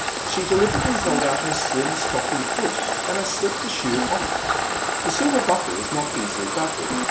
She deliberately held out her slim stockinged foot, and I slipped the shoe on it. The silver buckle was not easily buckled.